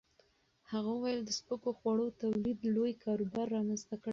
هغه وویل د سپکو خوړو تولید لوی کاروبار رامنځته کړی دی.